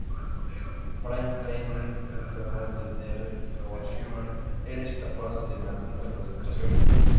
Brain Training Infernal del Dr. Kawashima: ¿Eres capaz de mantener la concentración?